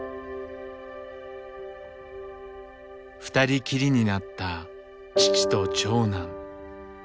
二人きりになった父と長男。